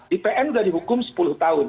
di pn sudah dihukum sepuluh tahun